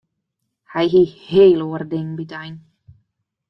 Hy hie hele oare dingen by de ein.